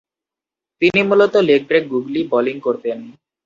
তিনি মূলতঃ leg break googly bowling করতেন।